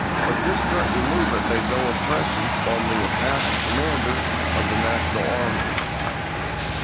But this threatening movement made no impression on the impassive commander of the National armies.